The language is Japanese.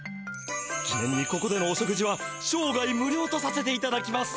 記ねんにここでのお食事は生涯無料とさせていただきます。